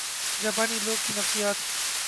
جاپانی لوگوں کی نفسیات